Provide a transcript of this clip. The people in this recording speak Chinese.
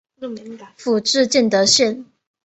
府治建德县。